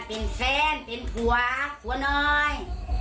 เป็นแฟนเป็นหัวน้อย